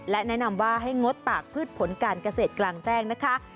และแนะนำว่าให้งดตากพืชผลการเกษตรกลางแจ้งนะคะ